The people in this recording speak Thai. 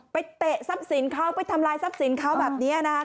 ไปเตะท่อสินเขาไปทำลายท่อสินเขาแบบนี้นะครับ